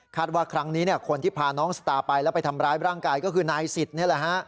คาดว่าครั้งนี้คนที่พาน้องสตาไปแล้วไปทำร้ายร่างกายก็คือนายสิทธิ์